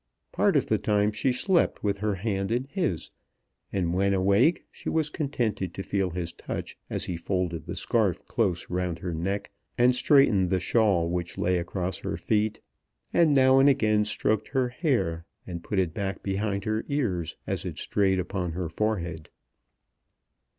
Part of the time she slept with her hand in his, and when awake she was contented to feel his touch as he folded the scarf close round her neck and straightened the shawl which lay across her feet, and now and again stroked her hair and put it back behind her ears as it strayed upon her forehead.